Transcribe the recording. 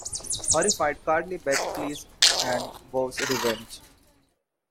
Horrified, Carly Beth flees and vows revenge.